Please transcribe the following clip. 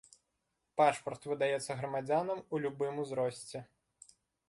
Пашпарт выдаецца грамадзянам у любым узросце.